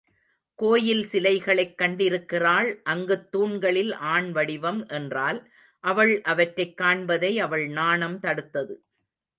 கோயில் சிலைகளைக் கண்டிருக்கிறாள் அங்குத் தூண்களில் ஆண்வடிவம் என்றால் அவள் அவற்றைக் காண்பதை அவள் நாணம் தடுத்தது.